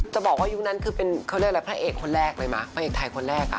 จะบอกว่ายุคนั้นคือเป็นเขาเรียกอะไรพระเอกคนแรกเลยมั้พระเอกไทยคนแรกอ่ะ